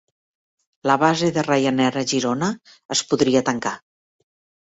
La base de Ryanair a Girona es podria tancar